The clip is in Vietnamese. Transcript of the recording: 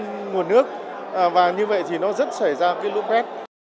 và như vậy thì nó rất xảy ra cái lũ quét